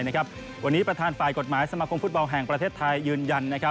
วันนี้ประธานฝ่ายกฎหมายสมาคมฟุตบอลแห่งประเทศไทยยืนยัน